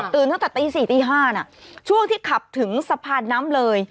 ตั้งแต่ตี๔ตี๕ช่วงที่ขับถึงสะพานน้ำเลย